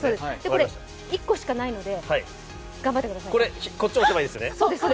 これ１個しかないので、頑張ってください。